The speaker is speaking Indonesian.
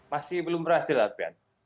masih belum berhasil arpian